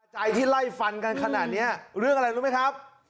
ใจที่ไล่ฟันกันขนาดนี้เรื่องอะไรรู้ไหมครับ